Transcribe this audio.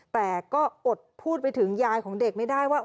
แต่ก็อดพูดไปถึงยายของเด็กไม่ได้ว่า